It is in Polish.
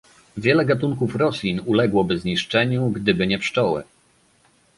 Wiele gatunków roślin uległoby zniszczeniu, gdyby nie pszczoły